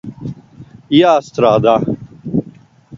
Jāstrādā.